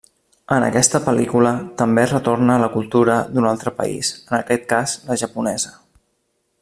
En aquesta pel·lícula també retorna la cultura d'un altre país, en aquest cas la Japonesa.